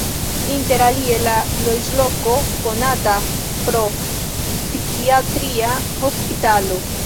Inter alie la loĝloko konatas pro psikiatria hospitalo.